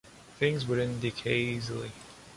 Things wouldn’t decay easily